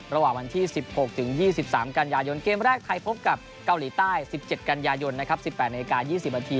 ระหว่างวันที่๑๖ถึง๒๓กันยายนเกมแรกไทยพบกับเกาหลีใต้๑๗กันยายนนะครับ๑๘นาที๒๐นาที